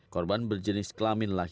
korban berjenis kelamin laki laki